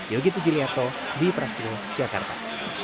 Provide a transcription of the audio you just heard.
yogi tujuliarto di prasjuruh jakarta